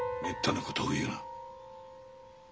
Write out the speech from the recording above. めったなことを言うな。